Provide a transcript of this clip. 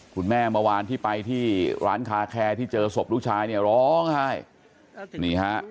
เมื่อวานที่ไปที่ร้านคาแคร์ที่เจอศพลูกชายเนี่ยร้องไห้นี่ฮะ